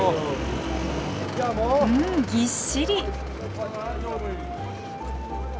うんぎっしり。